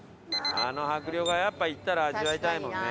あの迫力はやっぱ行ったら味わいたいもんね。